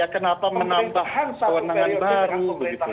kenapa menambah kewenangan baru